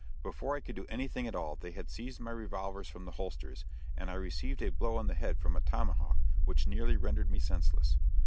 Before I could do anything at all, they had seized my revolvers from the holsters, and I received a blow on the head from a tomahawk which nearly rendered me senseless.